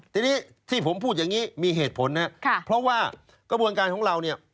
ทีนี้ที่ผมพูดอย่างนี้มีเหตุผลนะครับเพราะว่ากระบวนการของเราเนี่ย